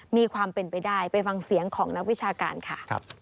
มีความเป็นไปได้ไปฟังเสียงของนักวิชาการค่ะ